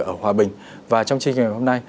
ở hòa bình và trong chương trình ngày hôm nay